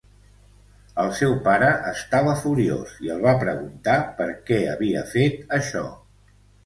El seu pare estava furiós i el va preguntar per què havia fet això.